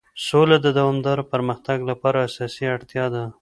سوله د دوامدار پرمختګ لپاره اساسي اړتیا ده.